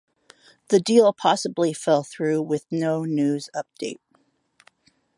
The deal possibly fell through with no news update.